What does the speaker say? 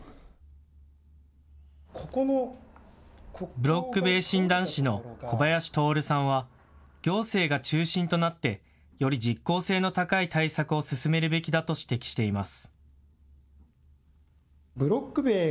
ブロック塀診断士の小林徹さんは行政が中心となってより実効性の高い対策を進めるべきだと指摘しています。